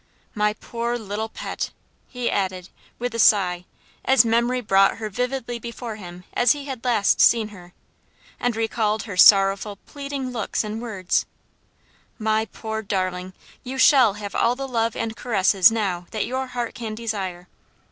My poor little pet!" he added, with a sigh, as memory brought her vividly before him as he had last seen her, and recalled her sorrowful, pleading looks and words; "my poor darling, you shall have all the love and caresses now that your heart can desire."